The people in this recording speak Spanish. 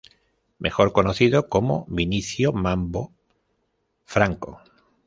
Mejor conocido como Vinicio "Mambo" Franco.